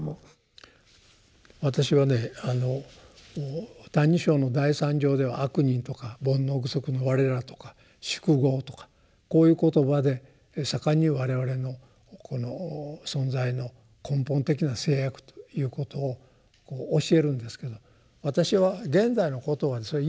私はね「歎異抄」の第三条では「悪人」とか「煩悩具足」のわれらとか「宿業」とかこういう言葉で盛んに我々のこの存在の根本的な制約ということを教えるんですけど私は現在の言葉でそれ言えると思うんですね。